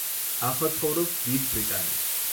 ახლა ცხოვრობს დიდ ბრიტანეთში.